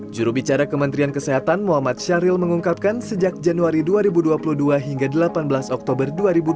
jurubicara kementerian kesehatan muhammad syahril mengungkapkan sejak januari dua ribu dua puluh dua hingga delapan belas oktober dua ribu dua puluh